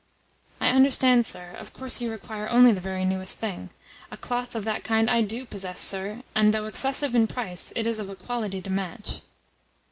"I understand, sir. Of course you require only the very newest thing. A cloth of that kind I DO possess, sir, and though excessive in price, it is of a quality to match."